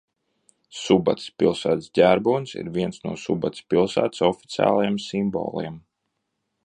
Subates pilsētas ģerbonis ir viens no Subates pilsētas oficiālajiem simboliem.